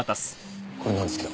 これなんですけど。